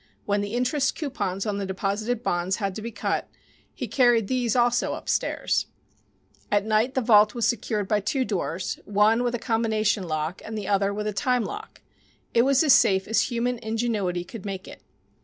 When the interest coupons on the deposited bonds had to be cut he carried these, also, upstairs. At night the vault was secured by two doors, one with a combination lock and the other with a time lock. It was as safe as human ingenuity could make it.